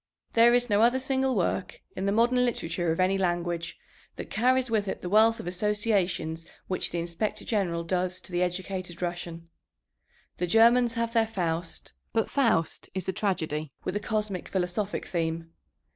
There is no other single work in the modern literature of any language that carries with it the wealth of associations which the Inspector General does to the educated Russian. The Germans have their Faust; but Faust is a tragedy with a cosmic philosophic theme.